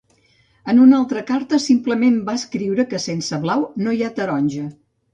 En una altra carta simplement va escriure que sense blau no hi ha taronja.